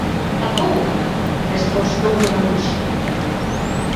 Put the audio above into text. _¡Acouga! _respostoulle Maruxa_